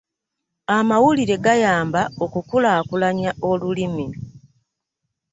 Amawulire gayamba okukulaakulanya olulimi.